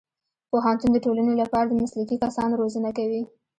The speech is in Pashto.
پوهنتون د ټولنې لپاره د مسلکي کسانو روزنه کوي.